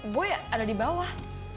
boy ada di bawah